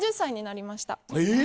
え！